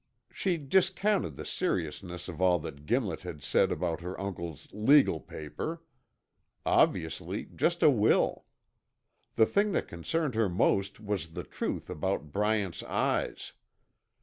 She discounted the seriousness of all that Gimlet had said about her uncle's "legal paper." Obviously just a will. The thing that concerned her most was the truth about Bryant's eyes.